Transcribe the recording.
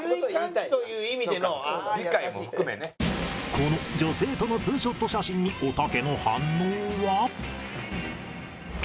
この女性とのツーショット写真におたけの反応は？